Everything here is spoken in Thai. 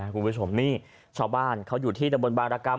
คุณผู้ชมนี่ชาวบ้านเขาอยู่ที่ตำบลบางรกรรม